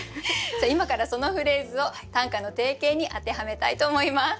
今からそのフレーズを短歌の定型に当てはめたいと思います。